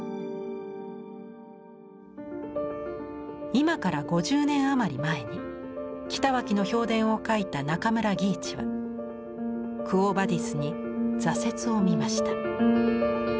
今から５０年余り前に北脇の評伝を書いた中村義一は「クォ・ヴァディス」に挫折を見ました。